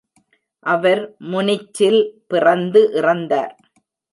அவர் முனிச்சில் பிறந்து இறந்தார்.